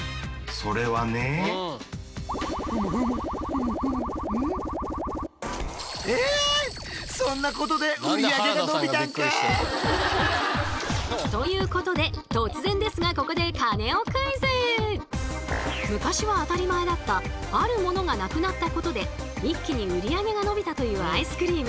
それはね何で原田さんがびっくりしてんだよ。ということで突然ですがここで昔は当たり前だったあるモノがなくなったことで一気に売り上げが伸びたというアイスクリーム！